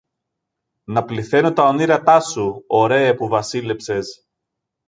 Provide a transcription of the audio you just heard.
να πληθαίνω τα ονείρατά σου, ωραίε που βασίλεψες